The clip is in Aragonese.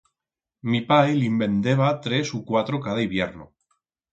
Mi pai li'n vendeba tres u cuatro cada hibierno.